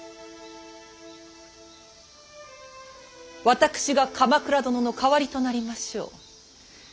私が鎌倉殿の代わりとなりましょう。